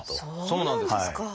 そうなんですか！